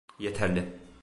Yeterli.